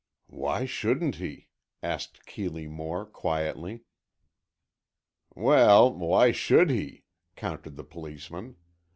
"Why shouldn't he?" asked Keeley Moore, quietly. "Well, why should he?" countered the policeman.